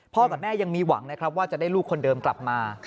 กับแม่ยังมีหวังนะครับว่าจะได้ลูกคนเดิมกลับมา